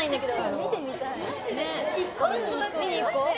見に行こう